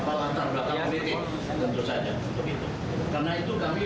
karena itu kami berkepentingan untuk mencari juga motif motif dibalik itu semua